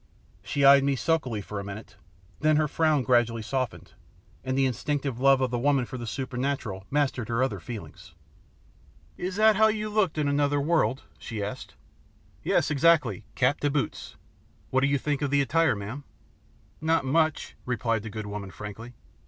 She eyed me sulkily for a minute, then her frown gradually softened, and the instinctive love of the woman for the supernatural mastered her other feelings. "Is that how you looked in another world?" she asked. "Yes, exactly, cap to boots. What do you think of the attire, ma'am?" "Not much," replied the good woman frankly.